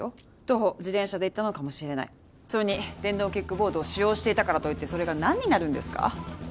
徒歩自転車で行ったのかもしれないそれに電動キックボードを使用していたからといってそれが何になるんですか？